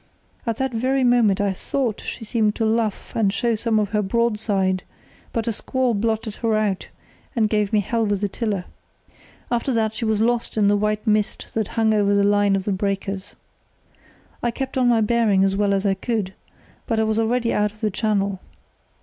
At that very moment I thought she seemed to luff and show some of her broadside; but a squall blotted her out and gave me hell with the tiller. After that she was lost in the white mist that hung over the line of breakers. I kept on my bearing as well as I could, but I was already out of the channel.